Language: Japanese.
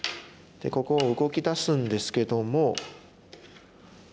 でここを動きだすんですけども。